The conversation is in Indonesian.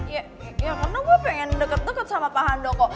ya karena gue pengen deket deket sama pak handoko